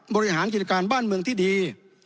บริหารกิจการบ้านเมืองที่ดี